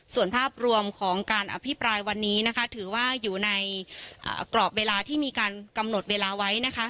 ส่วนภาพรวมของการอภิปรายวันนี้นะคะถือว่าอยู่ในกรอบเวลาที่มีการกำหนดเวลาไว้นะคะ